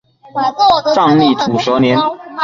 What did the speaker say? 藏历土蛇年。